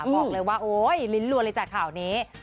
บอกเลยว่าโอ๊ยลิ้นลวนเลยจากข่าวนี้